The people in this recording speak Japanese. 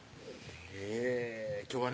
今日はね